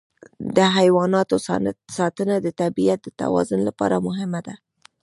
د حیواناتو ساتنه د طبیعت د توازن لپاره مهمه ده.